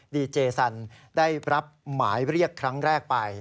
ดีเจสันได้รับหมายเรียกครั้งแรกไป